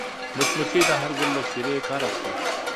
مچمچۍ د هر ګل له شيرې کار اخلي